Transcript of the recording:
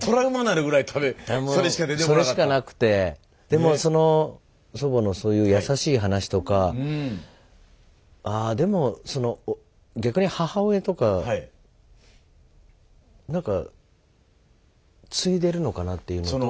でもその祖母のそういう優しい話とかああでもその逆に母親とかなんか継いでるのかなっていうのと。